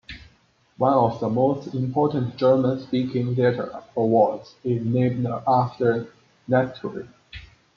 One of the most important German speaking theatre awards is named after Nestroy.